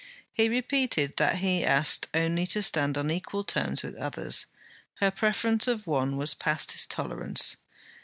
He repeated that he asked only to stand on equal terms with the others; her preference of one was past his tolerance.